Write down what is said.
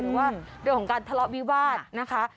หรือว่าเรื่องของการทะเลาะวิวาสนะคะ